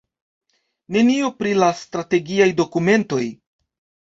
Nenio pri la strategiaj dokumentoj.